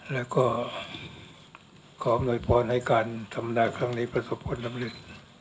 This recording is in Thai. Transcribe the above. และก็ขออำนวยป้อนให้การธรรมดาครั้งนี้ประสบควรดำลึก